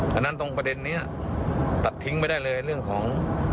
ฉะนั้นตรงประเด็นนี้ตัดทิ้งไม่ได้เลยเรื่องของ